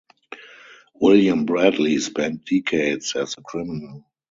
William Bradley spent decades as a criminal.